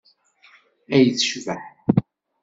Ay tecbeḥ!